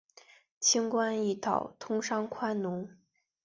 轻关易道，通商宽农